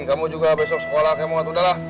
kamu juga besok sekolah kayak mau katudahlah